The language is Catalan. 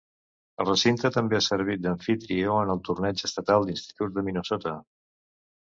El recinte també ha servit d'amfitrió en el torneig estatal d'instituts a Minnesota.